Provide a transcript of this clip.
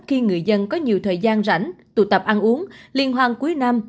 khi người dân có nhiều thời gian rảnh tụ tập ăn uống liên hoan cuối năm